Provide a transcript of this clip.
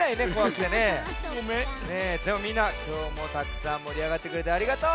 でもみんなきょうもたくさんもりあがってくれてありがとう！